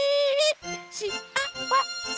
しあわせ！